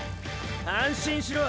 安心しろ。